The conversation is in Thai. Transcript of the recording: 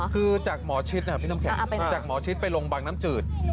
คือจากมอชิดมอชิดเปลงบางน้ำจืด